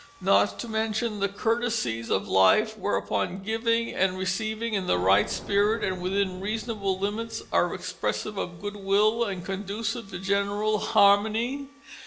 not to mention the courtesies of life, wherein giving and receiving in the right spirit and within reasonable limits, are expressive of good will and conducive to general harmony.